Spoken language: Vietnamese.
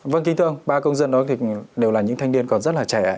vâng kính thưa ông ba công dân đó thì đều là những thanh niên còn rất là trẻ